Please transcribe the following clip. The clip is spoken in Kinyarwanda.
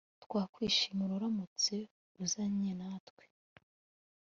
Twakwishimira uramutse uzanye natwe